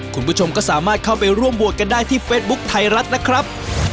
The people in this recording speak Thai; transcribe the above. คุณผู้ชมก็สามารถเข้าไปร่วมโหวตกันได้ที่เฟซบุ๊คไทยรัฐนะครับ